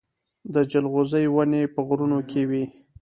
د جلغوزي ونې په غرونو کې وي